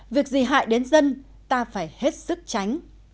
việc gì hại đến dân ta phải hết sức tránh